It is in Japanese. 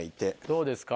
どうですか？